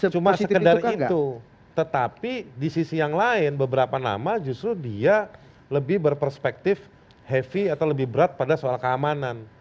cuma sekedar itu tetapi di sisi yang lain beberapa nama justru dia lebih berperspektif heavy atau lebih berat pada soal keamanan